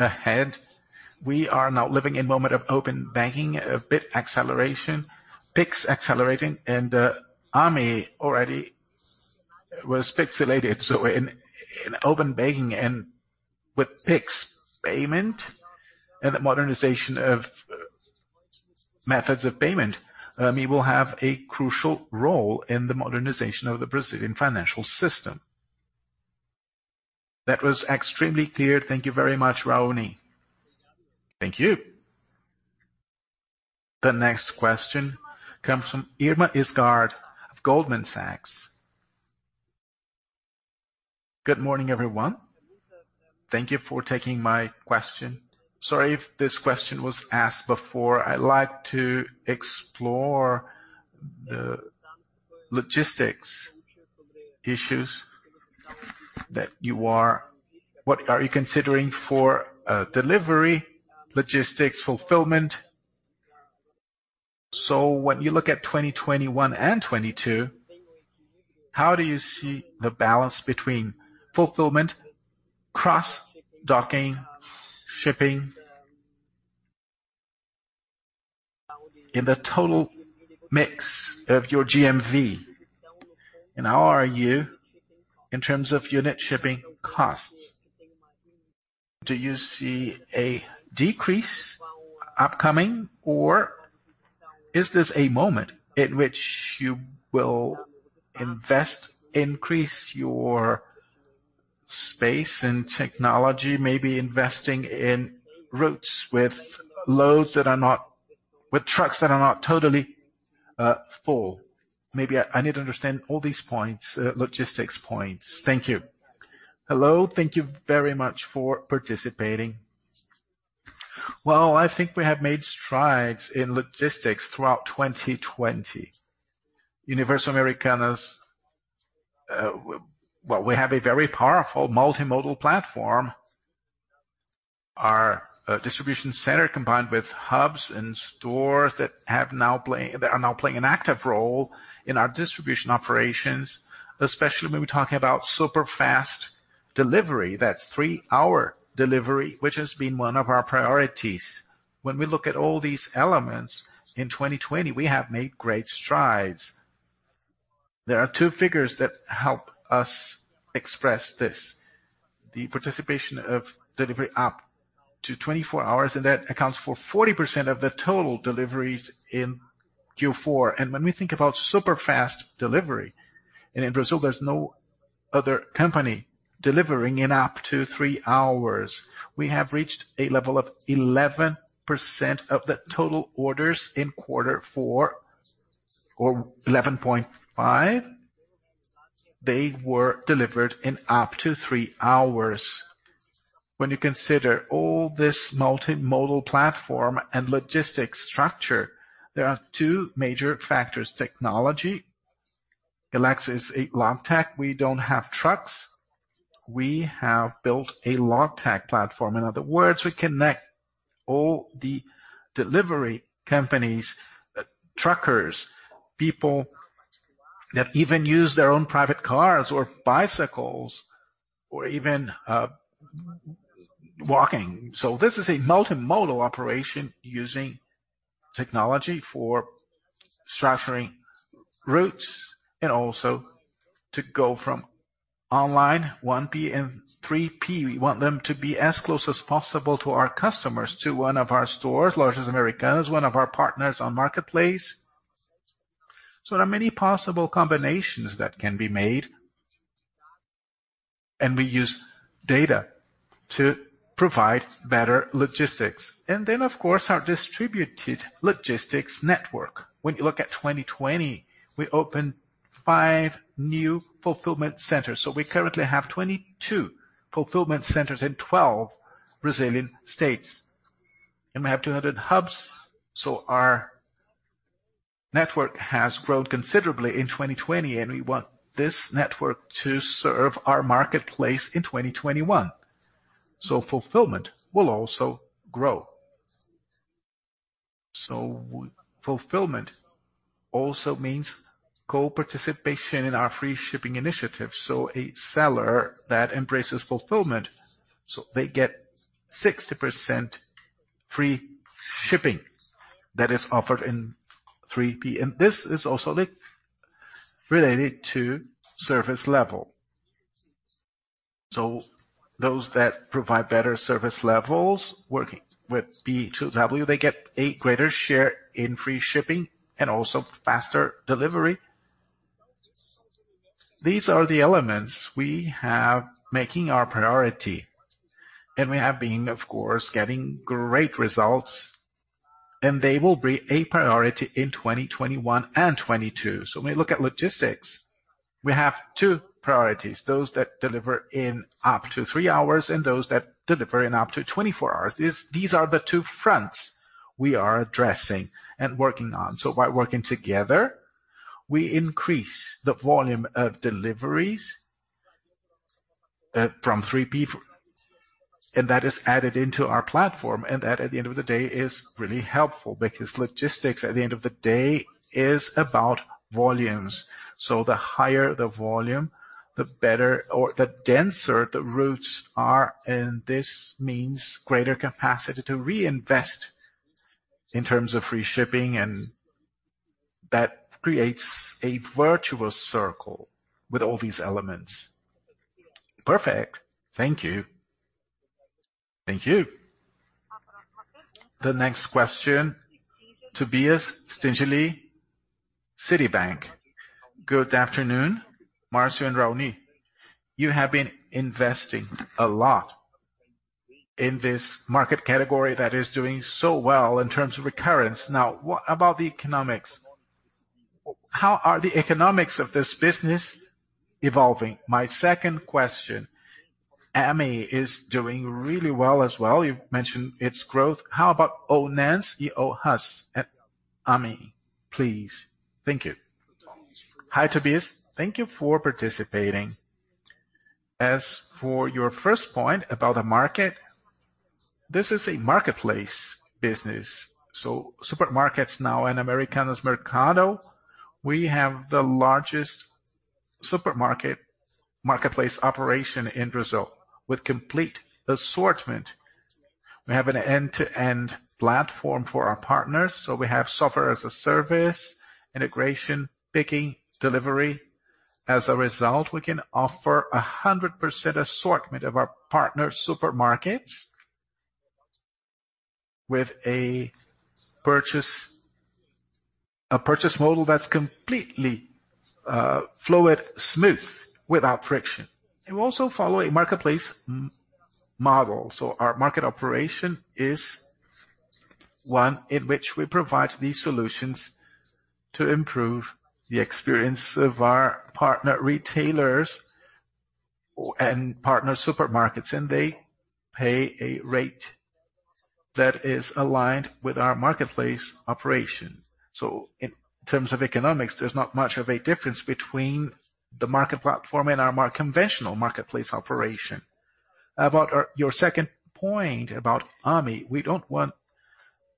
ahead, we are now living in moment of open banking, a bit acceleration, Pix accelerating, Ame already was Pix-elated. In open banking and with Pix payment and the modernization of methods of payment, Ame will have a crucial role in the modernization of the Brazilian financial system. That was extremely clear. Thank you very much, Raoni. Thank you. The next question comes from Irma Sgarz of Goldman Sachs. Good morning, everyone. Thank you for taking my question. Sorry if this question was asked before. I'd like to explore the logistics issues. What are you considering for delivery, logistics, fulfillment? When you look at 2021 and 2022, how do you see the balance between fulfillment, cross docking, shipping in the total mix of your GMV? How are you in terms of unit shipping costs? Do you see a decrease upcoming? Is this a moment in which you will invest, increase your space and technology, maybe investing in routes with trucks that are not totally full? Maybe I need to understand all these logistics points. Thank you. Hello. Thank you very much for participating. Well, I think we have made strides in logistics throughout 2020. Universo Americanas, well, we have a very powerful multimodal platform. Our distribution center, combined with hubs and stores that are now playing an active role in our distribution operations, especially when we are talking about super fast delivery. That is three-hour delivery, which has been one of our priorities. When we look at all these elements in 2020, we have made great strides. There are two figures that help us express this. The participation of delivery up to 24 hours, that accounts for 40% of the total deliveries in Q4. When we think about super fast delivery, in Brazil, there is no other company delivering in up to three hours. We have reached a level of 11% of the total orders in quarter four, or 11.5. They were delivered in up to three hours. When you consider all this multimodal platform and logistics structure, there are two major factors. Technology. LET'S is a logtech. We do not have trucks. We have built a logtech platform. In other words, we connect all the delivery companies, truckers, people that even use their own private cars or bicycles, or even walking. This is a multimodal operation using technology for structuring routes and also to go from online, 1P and 3P. We want them to be as close as possible to our customers, to one of our stores, Large at Americanas, one of our partners on Marketplace. There are many possible combinations that can be made, and we use data to provide better logistics. Of course, our distributed logistics network. When you look at 2020, we opened five new fulfillment centers. We currently have 22 fulfillment centers in 12 Brazilian states, and we have 200 hubs. Our network has grown considerably in 2020, and we want this network to serve our Marketplace in 2021. Fulfillment will also grow. Fulfillment also means co-participation in our free shipping initiative. A seller that embraces fulfillment, so they get 60% free shipping that is offered in 3P. This is also related to service level. Those that provide better service levels working with B2W, they get a greater share in free shipping and also faster delivery. These are the elements we have making our priority, and we have been, of course, getting great results, and they will be a priority in 2021 and 2022. When we look at logistics, we have two priorities, those that deliver in up to three hours and those that deliver in up to 24 hours. These are the two fronts we are addressing and working on. By working together, we increase the volume of deliveries from 3P, and that is added into our platform. That, at the end of the day, is really helpful because logistics, at the end of the day, is about volumes. The higher the volume, the better or the denser the routes are, this means greater capacity to reinvest in terms of free shipping, that creates a virtual circle with all these elements. Perfect. Thank you. Thank you. The next question, Tobias Stingelin, Citi. Good afternoon, Márcio and Raoni. You have been investing a lot in this market category that is doing so well in terms of recurrence. What about the economics? How are the economics of this business evolving? My second question. Ame is doing really well as well. You've mentioned its growth. How about [own NS and own Huss] at Ame, please? Thank you. Hi, Tobias. Thank you for participating. As for your first point about the market, this is a marketplace business. Supermercado Now and Americanas Marketplace, we have the largest supermarket marketplace operation in Brazil with complete assortment. We have an end-to-end platform for our partners. We have software as a service, integration, picking, delivery. As a result, we can offer 100% assortment of our partner supermarkets with a purchase model that's completely fluid, smooth, without friction. We also follow a marketplace model. Our market operation is one in which we provide these solutions to improve the experience of our partner retailers and partner supermarkets, and they pay a rate that is aligned with our marketplace operation. In terms of economics, there's not much of a difference between the market platform and our more conventional marketplace operation. About your second point about Ame, we don't want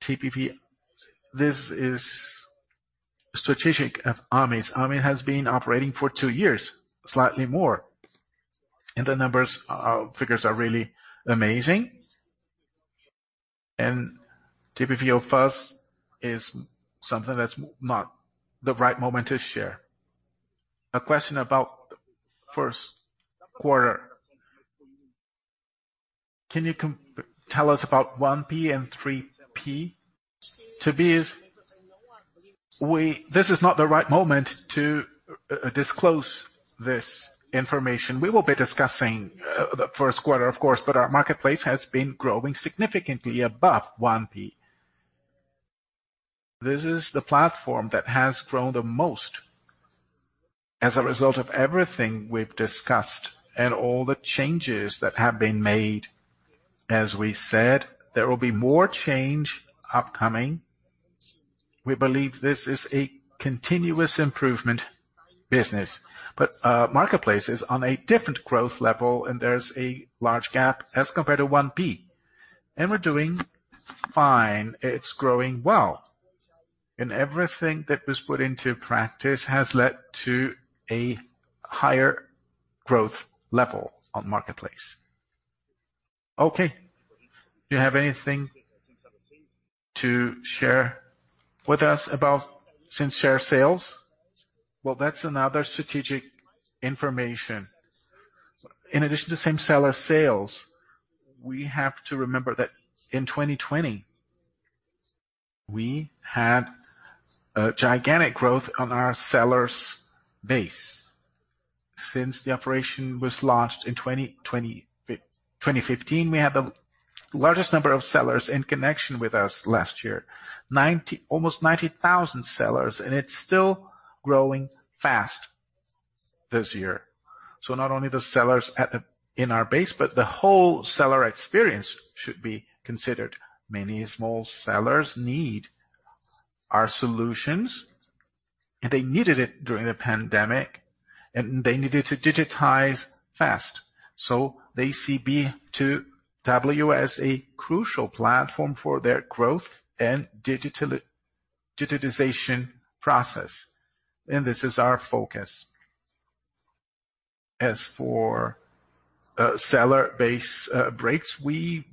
TPV. This is strategic of Ame's. Ame has been operating for two years, slightly more, and the figures are really amazing. TPV of Ame is something that's not the right moment to share. A question about the first quarter. Can you tell us about 1P and 3P? Tobias, this is not the right moment to disclose this information. We will be discussing the first quarter, of course, our Marketplace has been growing significantly above 1P. This is the platform that has grown the most as a result of everything we've discussed and all the changes that have been made. As we said, there will be more change upcoming. We believe this is a continuous improvement business, Marketplace is on a different growth level, and there's a large gap as compared to 1P. We're doing fine. It's growing well. Everything that was put into practice has led to a higher growth level on Marketplace. Okay. Do you have anything to share with us about same-store sales? Well, that is another strategic information. In addition to same seller sales, we have to remember that in 2020, we had a gigantic growth on our sellers base. Since the operation was launched in 2015, we had the largest number of sellers in connection with us last year. Almost 90,000 sellers. It is still growing fast this year. Not only the sellers in our base, but the whole seller experience should be considered. Many small sellers need our solutions. They needed it during the pandemic, and they needed to digitize fast. They see B2W as a crucial platform for their growth and digitization process. This is our focus. As for seller base breaks, we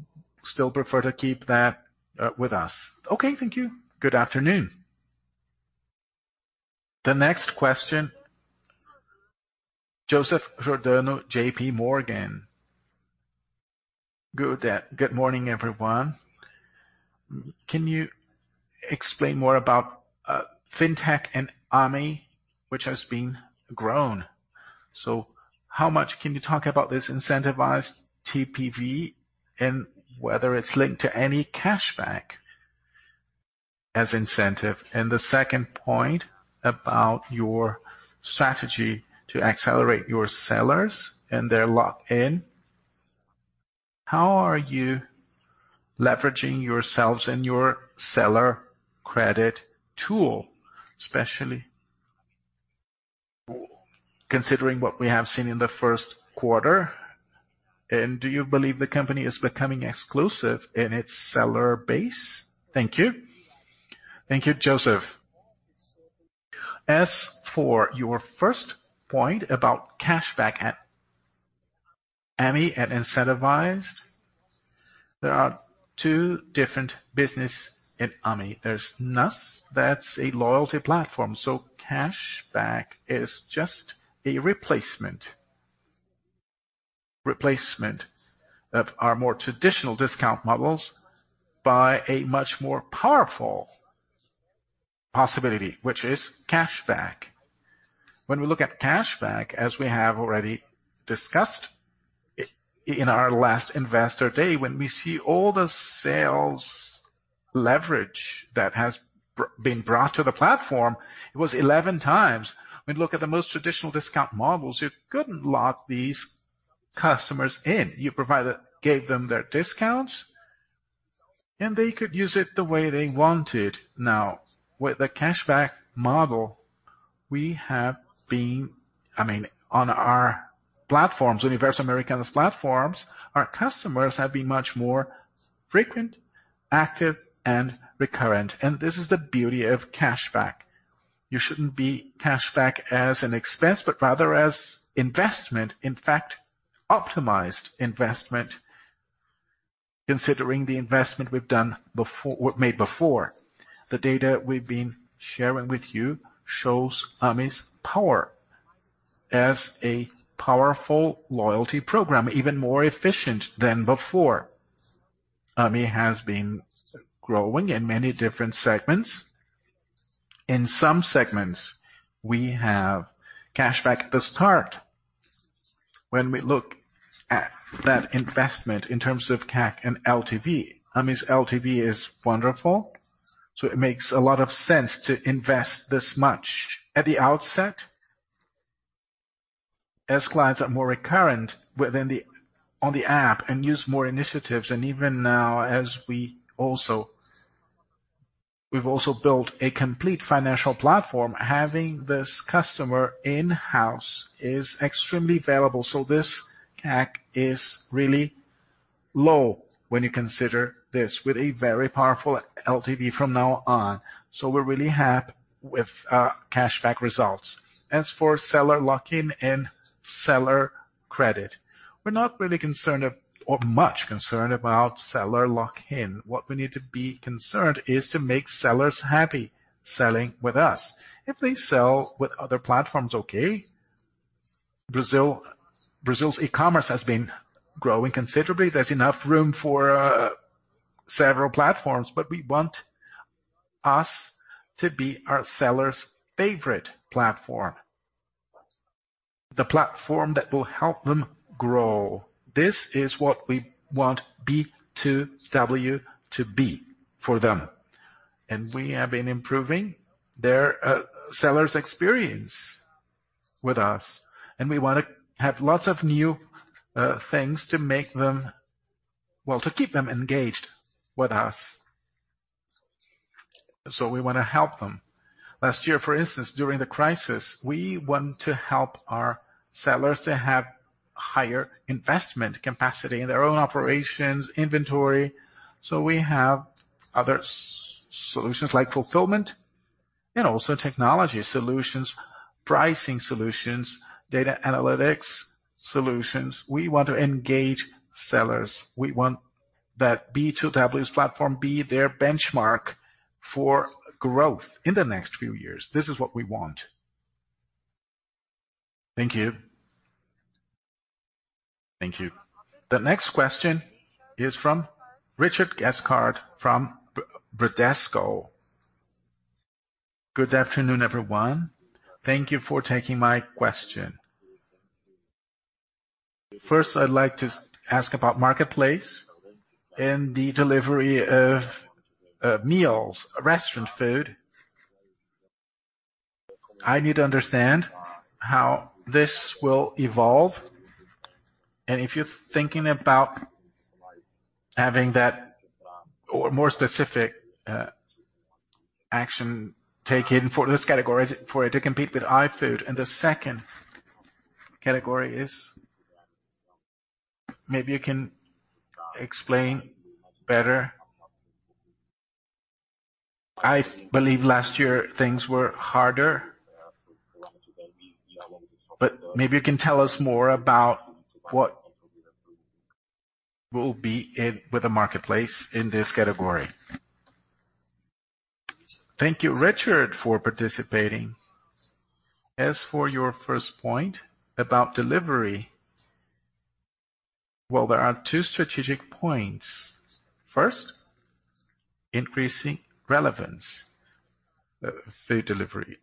still prefer to keep that with us. Okay, thank you. Good afternoon. The next question, Joseph Giordano, JPMorgan. Good morning, everyone. Can you explain more about fintech and Ame, which has been grown? How much can you talk about this incentivized TPV and whether it's linked to any cashback as incentive? The second point about your strategy to accelerate your sellers and their lock-in, how are you leveraging yourselves and your seller credit tool, especially considering what we have seen in the first quarter? Do you believe the company is becoming exclusive in its seller base? Thank you. Thank you, Joseph. As for your first point about cashback at Ame and incentivized, there are two different businesses in Ame. There's Nus, that's a loyalty platform. Cashback is just a replacement of our more traditional discount models by a much more powerful possibility, which is cashback. When we look at cashback, as we have already discussed in our last investor day, when we see all the sales leverage that has been brought to the platform, it was 11x. When you look at the most traditional discount models, you couldn't lock these customers in. You gave them their discounts, and they could use it the way they wanted. Now, with the cashback model, on our platforms, Universo Americanas platforms, our customers have been much more frequent, active, and recurrent. This is the beauty of cashback. You shouldn't be cashback as an expense, but rather as investment. In fact, optimized investment, considering the investment we've made before. The data we've been sharing with you shows Ame's power as a powerful loyalty program, even more efficient than before. Ame has been growing in many different segments. In some segments, we have cashback at the start. When we look at that investment in terms of CAC and LTV, Ame's LTV is wonderful. It makes a lot of sense to invest this much at the outset as clients are more recurrent on the app and use more initiatives. Even now, as we've also built a complete financial platform, having this customer in-house is extremely valuable. This [CAC] is really low when you consider this with a very powerful LTV from now on. We're really happy with our cashback results. As for seller lock-in and seller credit, we're not really concerned or much concerned about seller lock-in. What we need to be concerned is to make sellers happy selling with us. If they sell with other platforms, okay. Brazil's e-commerce has been growing considerably. There's enough room for several platforms. We want us to be our sellers' favorite platform. The platform that will help them grow. This is what we want B2W to be for them. We have been improving their sellers' experience with us. We want to have lots of new things to keep them engaged with us. We want to help them. Last year, for instance, during the crisis, we want to help our sellers to have higher investment capacity in their own operations, inventory. We have other solutions like fulfillment and also technology solutions, pricing solutions, data analytics solutions. We want to engage sellers. We want that B2W platform be their benchmark for growth in the next few years. This is what we want. Thank you. Thank you. The next question is from Richard Cathcart from Bradesco. Good afternoon, everyone. Thank you for taking my question. First, I'd like to ask about marketplace and the delivery of meals, restaurant food. I need to understand how this will evolve and if you're thinking about having that or more specific action taken for this category for it to compete with iFood. The second category is, maybe you can explain better. I believe last year things were harder, but maybe you can tell us more about what will be with the marketplace in this category. Thank you, Richard, for participating. As for your first point about delivery, well, there are two strategic points. First, increasing relevance of food delivery.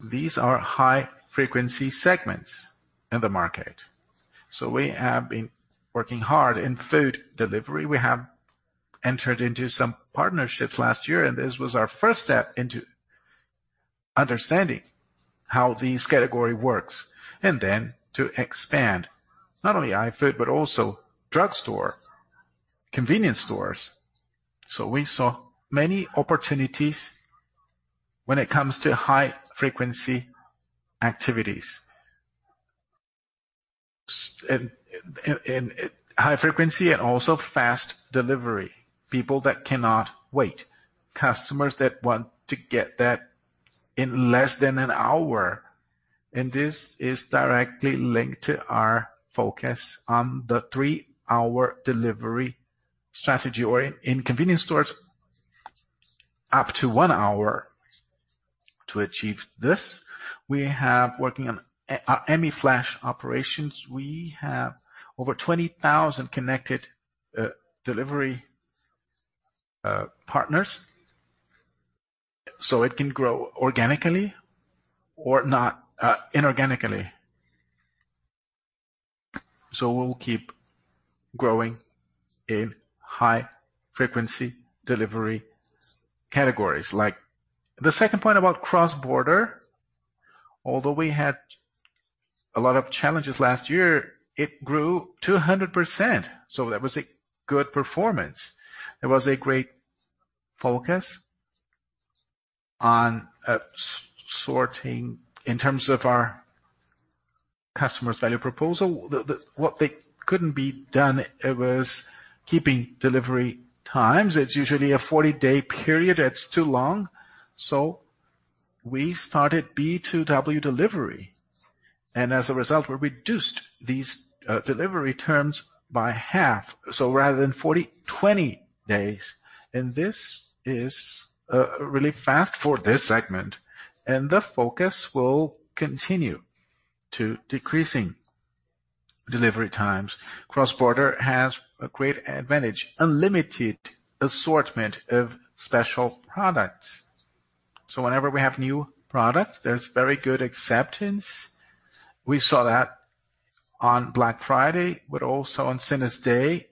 These are high frequency segments in the market. We have been working hard in food delivery. We have entered into some partnerships last year, and this was our first step into understanding how this category works, and then to expand, not only iFood but also drugstore, convenience stores. We saw many opportunities when it comes to high frequency activities. High frequency and also fast delivery. People that cannot wait, customers that want to get that in less than an hour. This is directly linked to our focus on the three-hour delivery strategy, or in convenience stores, up to one hour. To achieve this, we have working on Ame Flash operations. We have over 20,000 connected delivery partners, so it can grow organically or inorganically. We'll keep growing in high frequency delivery categories. The second point about cross-border, although we had a lot of challenges last year, it grew 200%, so that was a good performance. There was a great focus on sorting in terms of our customer's value proposal. What they couldn't be done it was keeping delivery times. It's usually a 40-day period. That's too long. We started B2W delivery, and as a result, we reduced these delivery terms by half. Rather than 40, 20 days, and this is really fast for this segment, and the focus will continue to decreasing delivery times. Cross-border has a great advantage, unlimited assortment of special products. Whenever we have new products, there's very good acceptance. We saw that on Black Friday, but also on Singles' Day,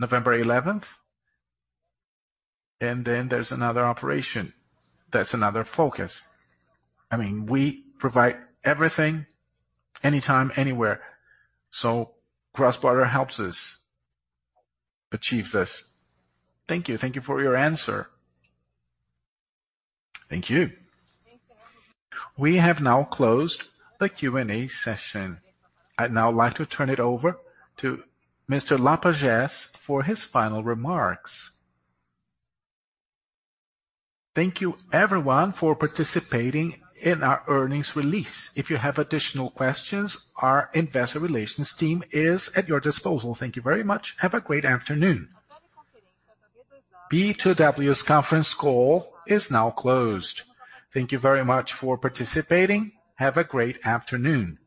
November 11th. There's another operation. That's another focus. We provide everything anytime, anywhere. Cross-border helps us achieve this. Thank you. Thank you for your answer. Thank you. We have now closed the Q&A session. I'd now like to turn it over to Mr. Lapagesse for his final remarks. Thank you everyone for participating in our earnings release. If you have additional questions, our investor relations team is at your disposal. Thank you very much. Have a great afternoon. B2W's conference call is now closed. Thank you very much for participating. Have a great afternoon.